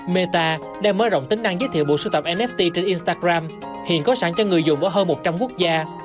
meta đang mở rộng tính năng giới thiệu bộ sưu tập esti trên instagram hiện có sẵn cho người dùng ở hơn một trăm linh quốc gia